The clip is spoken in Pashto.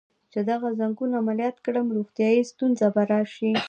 چې دغه ځنګون عملیات کړم، روغتیایی ستونزه به راشي.